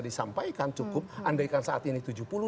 disampaikan cukup andaikan saat ini